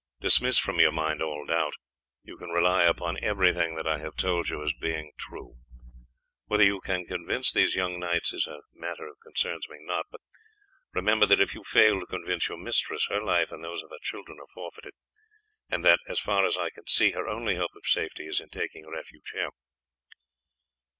Dismiss from your mind all doubt; you can rely upon everything that I have told you as being true. Whether you can convince these young knights is a matter that concerns me not; but remember that if you fail to convince your mistress, her life and those of her children are forfeited; and that, so far as I can see, her only hope of safety is in taking refuge here."